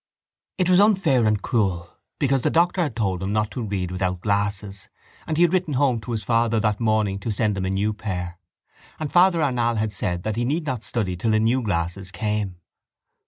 It was unfair and cruel because the doctor had told him not to read without glasses and he had written home to his father that morning to send him a new pair. And Father Arnall had said that he need not study till the new glasses came.